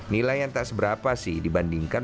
nilai yang tak seberapa sih dibandingkan